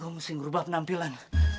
gue mesti ngerubah penampilan